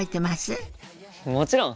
もちろん！